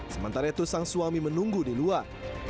sementara itu sang suami menunggu di luar